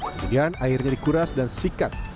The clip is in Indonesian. kemudian airnya dikuras dan sikat